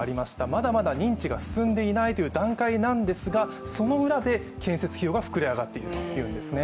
まだまだ認知が進んでいないという段階なんですが、その裏で建設費用が膨れ上がっているというんですね。